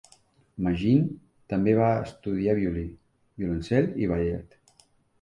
Magin també va estudiar violí, violoncel i ballet.